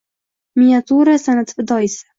Miniatyura san’ati fidoyisi